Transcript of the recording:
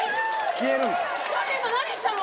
消えるんですよ。